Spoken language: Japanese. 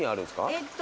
えっと